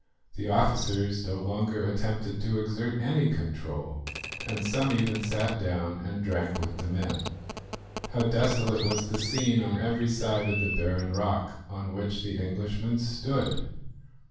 The officers no longer attempted to exert any control, and some even sat down and drank with the men. How desolate was the scene on every side of the barren rock on which the Englishmen stood!